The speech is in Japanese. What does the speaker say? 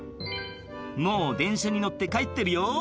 「もう電車に乗って帰ってるよ」